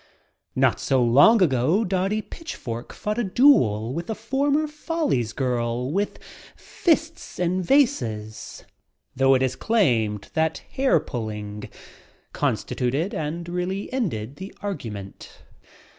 Not so long ago Dottie Pitchfork fought a duel with a former Follies erirl with fist and vases: though it is claimed that hair pulling constituted and really ended the argument.